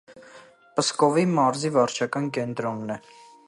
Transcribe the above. Պսկովի մարզի վարչական կենտրոնն է։